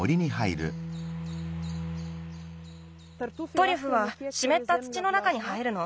トリュフはしめった土の中に生えるの。